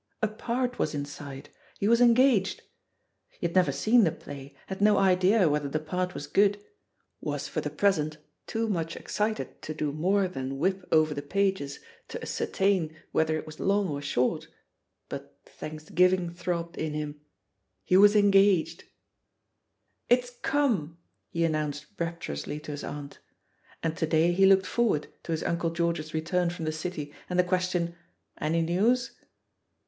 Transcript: A part was inside — ^he was en gaged I He had never seen the play; had no idea whether the part was good — ^was for the present too much excited to do more than whip 42 yHE POSITION OF PEGGY HARPER M over the pa^es to ascertain whether it was long or short; but thanksgiving throbbed in him — he was engaged! "It's cornel he announced raptiu ously to his aunt. And to day he looked forward to his [Uncle George's return from the City and the question, "Any news?"